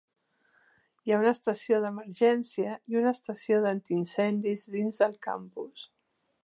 Hi ha una estació d'emergència i una estació d'antiincendis dins del campus.